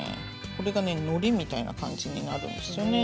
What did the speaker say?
これがねのりみたいな感じになるんですよね。